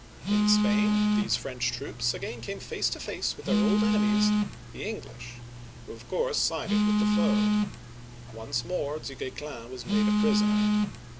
In Spain, these French troops again came face to face with their old enemies, the English, who of course sided with the foe. Once more Du Guesclin was made a prisoner.